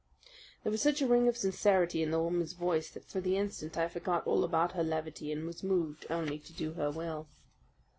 There was such a ring of sincerity in the woman's voice that for the instant I forgot all about her levity and was moved only to do her will.